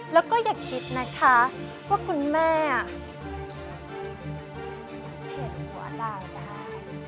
แล้วก็อย่าคิดนะคะว่าคุณแม่จะเขียนหัวเราได้